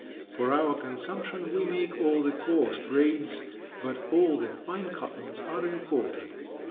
For our consumption we make all the coarse grades, but all the fine cottons are imported.